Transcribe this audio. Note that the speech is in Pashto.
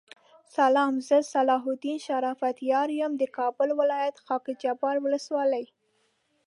سلام زه صلاح الدین شرافت یار یم دکابل ولایت خاکحبار ولسوالی